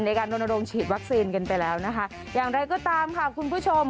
ในการรณรงค์ฉีดวัคซีนกันไปแล้วนะคะอย่างไรก็ตามค่ะคุณผู้ชม